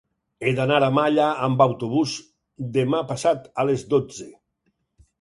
He d'anar a Malla amb autobús demà passat a les dotze.